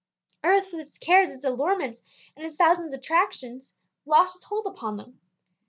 Earth with its cares, its allurements, and its thousand attractions, lost its hold upon them.